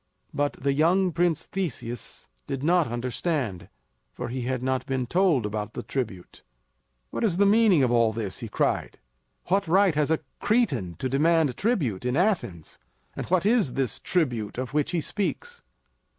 But the young prince, Theseus, did not understand; for he had not been told about the tribute. "What is the meaning of all this?" he cried. "What right has a Cretan to demand tribute in Athens? and what is this tribute of which he speaks?"